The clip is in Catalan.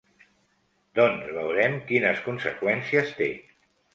Doncs veurem quines conseqüències té.